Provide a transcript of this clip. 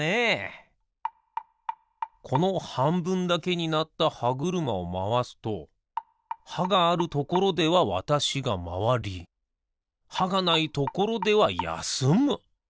このはんぶんだけになったはぐるまをまわすとはがあるところではわたしがまわりはがないところではやすむ。